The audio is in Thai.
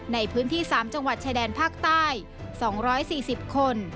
ในพื้นที่๓จังหวัดชายแดนภาคใต้๒๔๐คน